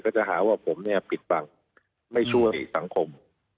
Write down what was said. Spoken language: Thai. ก็จะหาว่าผมปิดบังไม่ชั่วสิทธิ์สังคม